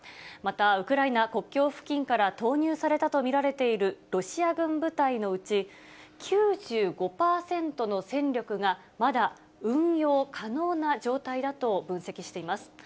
また、ウクライナ国境付近から投入されたと見られているロシア軍部隊のうち、９５％の戦力がまだ運用可能な状態だと分析しています。